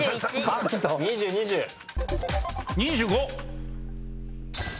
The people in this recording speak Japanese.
２５。